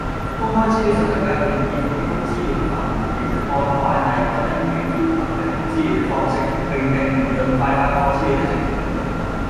公開資料守則界定擬提供資料的範疇，列出按慣例或因應要求提供資料的方式，並訂明盡快發放資料的程序